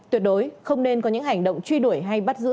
tuyệt đối không nên có những hành động truy đuổi hay bắt giữ